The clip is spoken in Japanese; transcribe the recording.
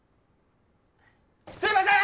・すいません！